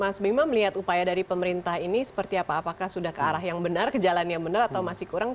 mas bima melihat upaya dari pemerintah ini seperti apa apakah sudah ke arah yang benar ke jalan yang benar atau masih kurang